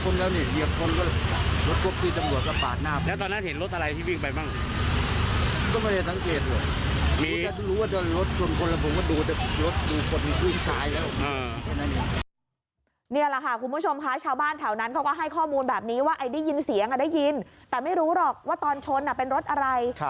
นี่แหละค่ะคุณผู้ชมค่ะชาวบ้านแถวนั้นเขาก็ให้ข้อมูลแบบนี้ว่าไอ้ได้ยินเสียงได้ยินแต่ไม่รู้หรอกว่าตอนชนตัวผมมองไม่เห็นเลยเอาฟังเสียงลุงสมมัยค่ะ